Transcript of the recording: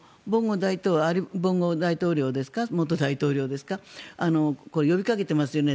ボンゴ元大統領ですか呼びかけていますよね。